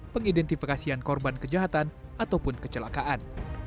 pengidentifikasian korban kejahatan ataupun kecelakaan